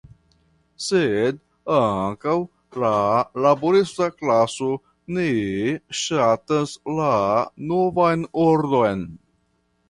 Sed ankaŭ la laborista klaso ne ŝatas la novan ordon.